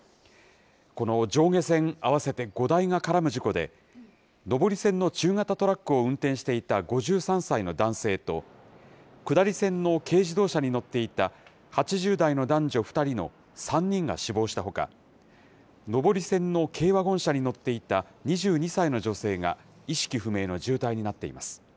この上下線合わせて５台が絡む事故で、上り線の中型トラックを運転していた５３歳の男性と、下り線の軽自動車に乗っていた８０代の男女２人の３人が死亡したほか、上り線の軽ワゴン車に乗っていた２２歳の女性が、意識不明の重体になっています。